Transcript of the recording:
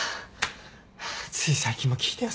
つい最近も聞いたよ